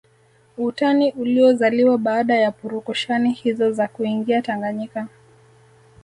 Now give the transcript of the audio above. Utani uliozaliwa baada ya purukushani hizo za kuingia Tanganyika